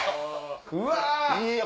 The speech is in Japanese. うわ！